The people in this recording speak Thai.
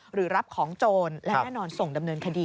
หรือรับของโจรและแน่นอนส่งดำเนินคดี